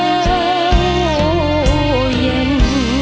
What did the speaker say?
อ้าวยัง